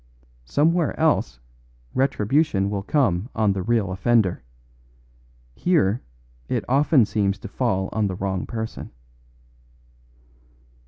Somewhere else retribution will come on the real offender. Here it often seems to fall on the wrong person."